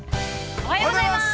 ◆おはようございます！